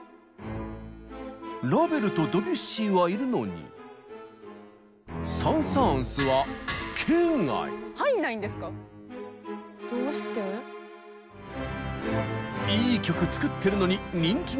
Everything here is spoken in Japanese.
ラヴェルとドビュッシーはいるのにサン・サーンスはいい曲作ってるのに人気がない？